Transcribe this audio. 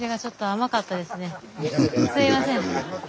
すいません。